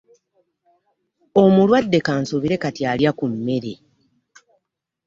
Omulwadde ka nsuubire kati alya ku mmere.